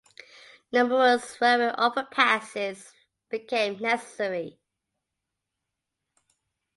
Numerous railway overpasses became necessary.